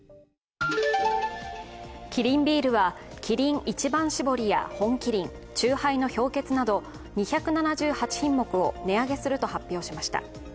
キリンビールはキリン一番搾りや本麒麟、チューハイの氷結など２７８品目を値上げすると発表しました。